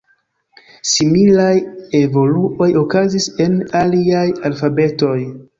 Similaj evoluoj okazis en aliaj alfabetoj.